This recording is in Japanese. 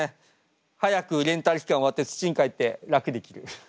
早くレンタル期間終わって土にかえって楽できる。